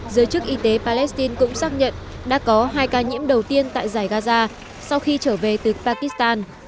giới chức y tế palestine cũng xác nhận đã có hai ca nhiễm đầu tiên tại giải gaza sau khi trở về từ pakistan